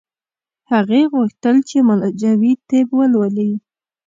هغې غوښتل چې معالجوي طب ولولي